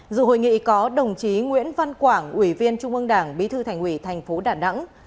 dù hội nghị có đồng chí nguyễn văn quảng ủy viên trung ương đảng bí thư thành ủy thành phố đà nẵng